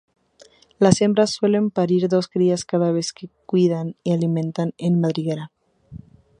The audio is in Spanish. Las hembras suelen parir dos crías cada vez que cuidan y alimentan en madrigueras.